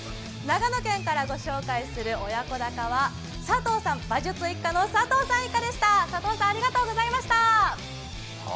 長野県からご紹介する親子鷹は馬術一家の佐藤さん一家でした。